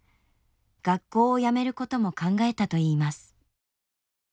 学校をやめることも考えたといいます。